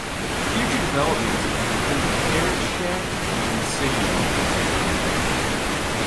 Future developments are to include a carriage shed and signalbox.